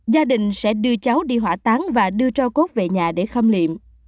gia đình sẽ đưa cháu đi hỏa táng và đưa cho cốt về nhà để khâm liệm